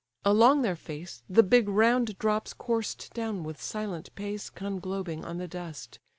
Along their face The big round drops coursed down with silent pace, Conglobing on the dust.